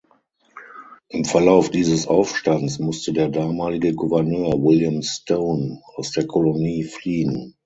Im Verlauf dieses Aufstands musste der damalige Gouverneur William Stone aus der Kolonie fliehen.